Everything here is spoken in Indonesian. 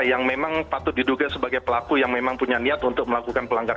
yang memang patut diduga sebagai pelaku yang memang punya niat untuk melakukan pelanggaran